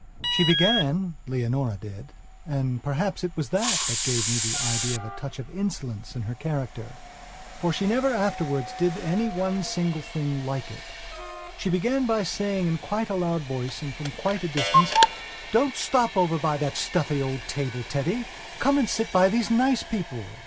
She began, Leonora didand perhaps it was that that gave me the idea of a touch of insolence in her character, for she never afterwards did any one single thing like itshe began by saying in quite a loud voice and from quite a distance: "Don't stop over by that stuffy old table, Teddy. Come and sit by these nice people!"